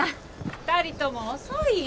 ２人とも遅いよ。